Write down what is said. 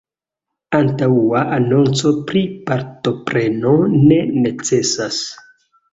Antaŭa anonco pri partopreno ne necesas.